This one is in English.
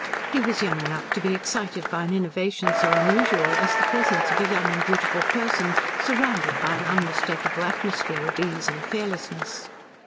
He was young enough to be excited by an innovation so unusual as the presence of a young and beautiful person surrounded by an unmistakable atmosphere of ease and fearlessness.